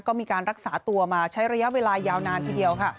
ก็มีการรักษาตัวมาใช้ระยะเวลายาวนานทีเดียวค่ะ